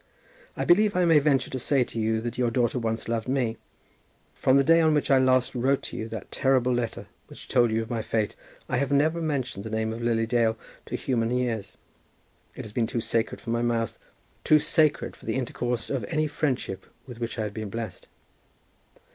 I believe I may venture to say to you that your daughter once loved me. From the day on which I last wrote to you that terrible letter which told you of my fate, I have never mentioned the name of Lily Dale to human ears. It has been too sacred for my mouth, too sacred for the intercourse of any friendship with which I have been blessed.